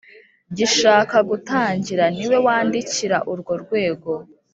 Gishaka gutangira ni we wandikira urwo rwego